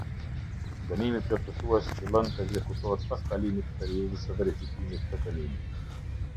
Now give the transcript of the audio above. Dënimi plotësues fillon të ekzekutohet pas kalimit të periudhës së verifikimit të dënimit.